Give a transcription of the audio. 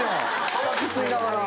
葉巻吸いながら。